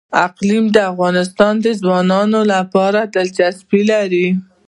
اقلیم د افغان ځوانانو لپاره دلچسپي لري.